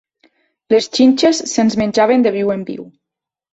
Les xinxes se'ns menjaven de viu en viu.